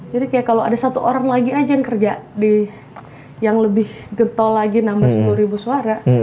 jadi kayak kalau ada satu orang lagi aja yang kerja di yang lebih getol lagi nambah sepuluh suara